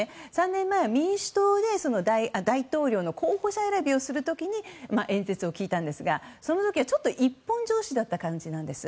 ３年前は民主党で大統領の候補者選びをする時に演説を聞いたんですがその時はちょっと一本調子という感じだったんです。